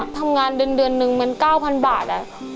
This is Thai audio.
ทำงานเดือนอยู่อยู่เท่า๙๐๐๐บาท